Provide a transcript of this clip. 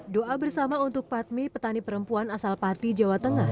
doa bersama untuk patmi petani perempuan asal pati jawa tengah